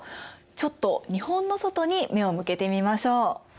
ちょっと日本の外に目を向けてみましょう。